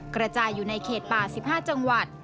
กระจายอยู่ในเขตป่า๑๕จังหวัด